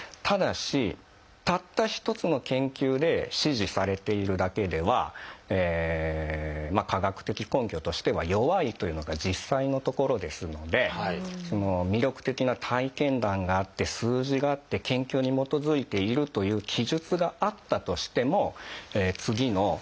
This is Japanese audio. ただしたった一つの研究で支持されているだけでは科学的根拠としては弱いというのが実際のところですので魅力的な体験談があって数字があって研究に基づいているという記述があったとしても次の。